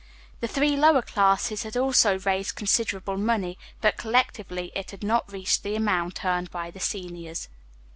The three lower classes had also raised considerable money, but collectively it had not reached the amount earned by the seniors.